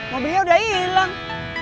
mobilnya udah hilang